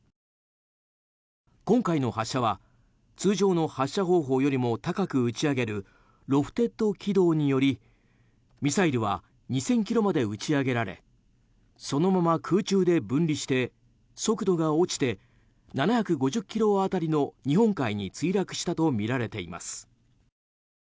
今回の発射は通常の発射方法より高く打ち上げるロフテッド軌道によりミサイルは２０００ｋｍまで打ち上げられそのまま空中で分離して速度が落ちて７５０ｋｍ辺りの日本海に墜落したとみられます。